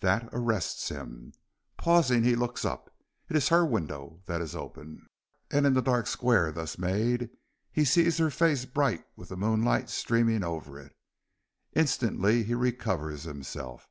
That arrests him. Pausing, he looks up. It is her window that is open, and in the dark square thus made he sees her face bright with the moonlight streaming over it. Instantly he recovers himself.